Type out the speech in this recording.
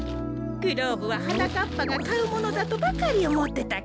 グローブははなかっぱがかうものだとばかりおもってたから。